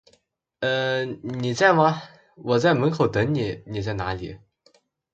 呃…你在吗，我在门口等你，你在哪里？